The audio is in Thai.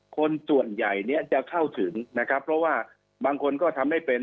คนส่วนใหญ่เนี่ยจะเข้าถึงนะครับเพราะว่าบางคนก็ทำไม่เป็น